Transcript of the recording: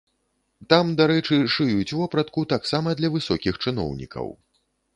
Там, дарэчы, шыюць вопратку таксама для высокіх чыноўнікаў.